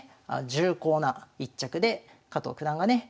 重厚な一着で加藤九段がね